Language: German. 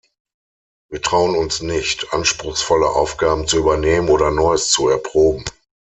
Wir trauen uns nicht, anspruchsvolle Aufgaben zu übernehmen oder Neues zu erproben.